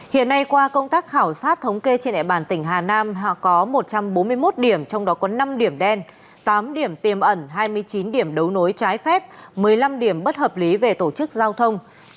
hiện nay qua công tác khảo sát thống kê trên đại bàn tỉnh hà nam có một trăm bốn mươi một điểm trong đó có năm điểm đen tám điểm tiềm ẩn hai mươi chín điểm đấu nối trái phép một mươi năm điểm bất hợp lý về tổ chức giao thông